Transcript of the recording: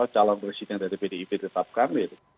calon presiden dari pdip ditetapkan